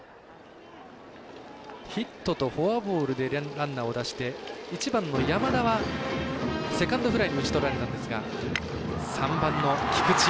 ヒットとフォアボールでランナー出して１番の山田は、セカンドフライに打ち取られたんですが３番の菊地。